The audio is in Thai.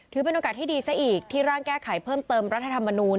ถือเป็นโอกาสที่ดีซะอีกที่ร่างแก้ไขเพิ่มเติมรัฐธรรมนูล